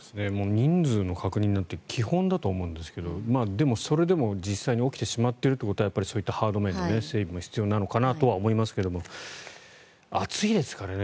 人数の確認なんて基本だと思うんですけどでも、それでも実際に起きてしまっているということはそういったハード面で整備も必要なのかなと思いますが暑いですからね